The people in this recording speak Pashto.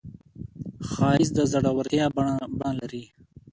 ښایست د زړورتیا بڼه لري